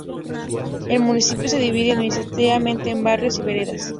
El municipio se divide administrativamente en barrios y veredas.